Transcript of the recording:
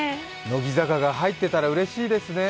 乃木坂が入ってたらうれしいですね。